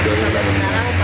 sudah berapa lama